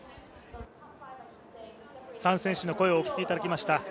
３選手の声をお聞きいただきました。